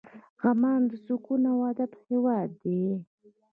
عمان د سکون او ادب هېواد دی.